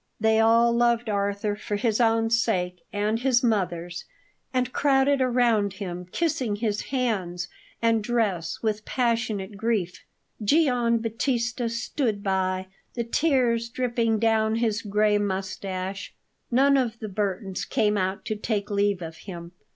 They all loved Arthur for his own sake and his mother's, and crowded round him, kissing his hands and dress with passionate grief. Gian Battista stood by, the tears dripping down his gray moustache. None of the Burtons came out to take leave of him.